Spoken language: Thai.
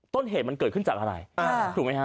ต้นเหตุมันเกิดก็เกิดจากอะไร